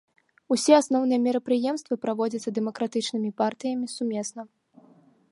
Усе асноўныя мерапрыемствы праводзяцца дэмакратычнымі партыямі сумесна.